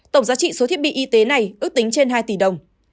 tổng giá trị số thiết bị y tế này ước tính trên hai tỷ đồng